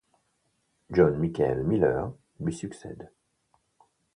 John Michael Miller lui succède.